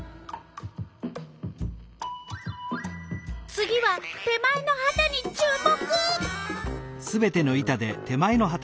次は手前のはたに注目！